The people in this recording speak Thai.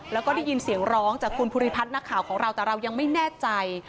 แล้วก็ได้ยินเสียงร้องจากคุณภูริพัฒน์นักข่าวของเราแต่เรายังไม่แน่ใจ